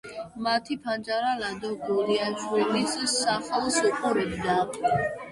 მათი ფანჯარა ლადო გუდიაშვილის სახლს უყურებდა.